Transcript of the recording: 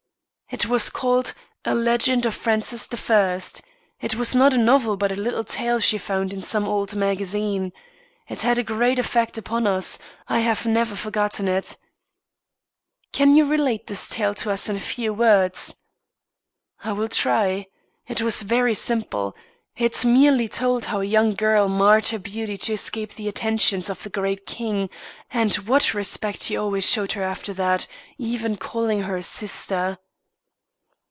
"It was called 'A Legend of Francis the First.' It was not a novel, but a little tale she found in some old magazine. It had a great effect upon us; I have never forgotten it." "Can you relate this tale to us in a few words?" "I will try. It was very simple; it merely told how a young girl marred her beauty to escape the attentions of the great king, and what respect he always showed her after that, even calling her sister."